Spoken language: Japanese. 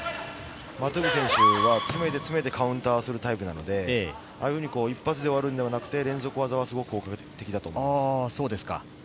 マトゥーブ選手は詰めて詰めてカウンターするタイプなので、一発で終わるのではなく連続技がすごく効果的だと思います。